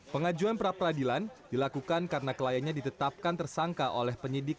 pengajuan pra peradilan dilakukan karena kliennya ditetapkan tersangka oleh penyidik